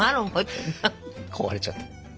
壊れちゃった。